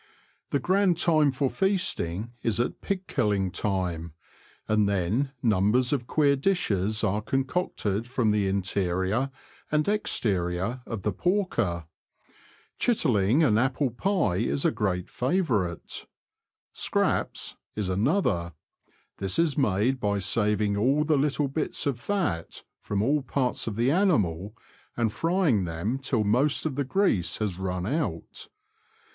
266 THE LAND OF THE BROADS. The grand time for feasting is at pig killing time, and then numbers of queer dishes are concocted from the interior and exterior of the porker. Chitterling and apple pie is a great favourite. '' Scraps " is another ; this is made by saving all the little bits of fat, from all parts of the animal, and frying them till most of the grease has run out.